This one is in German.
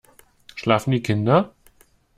Schlafen die Kinder?